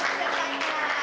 kita dapet peserta ini